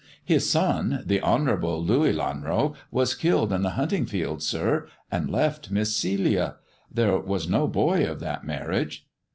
" His son, the Honourable Louis Lelanro, was killed in the hunting field, sir, and left Miss Celia. There was no boy of that marriage."